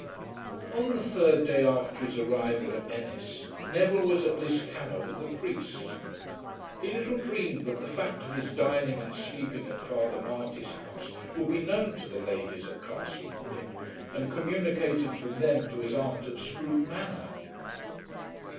On the third day after his arrival at Ennis, Neville was at Liscannor with the priest. He little dreamed that the fact of his dining and sleeping at Father Marty's house would be known to the ladies at Castle Quin, and communicated from them to his aunt at Scroope Manor.